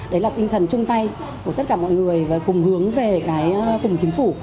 đấy là tinh thần chung tay của tất cả mọi người và cùng hướng về cái cùng chính phủ